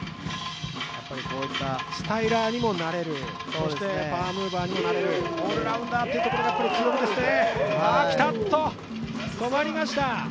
こういったスタイラーにもなれるそしてパワームーバーにもなれるオールラウンダーなところも強みですね。